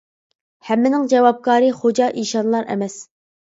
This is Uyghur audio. ھەممىنىڭ جاۋابكارى خوجا -ئىشانلار ئەمەس.